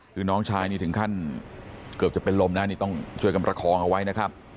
คือน้องชายนี่ถึงขั้นเกือบจะเป็นลมนะนี่ต้องช่วยกันประคองเอาไว้นะครับ